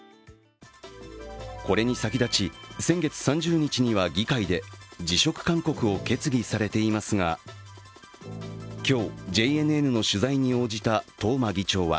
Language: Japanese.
これに先立ち、先月３０日には議会で辞職勧告を決議されていますが今日、ＪＮＮの取材に応じた東間議長は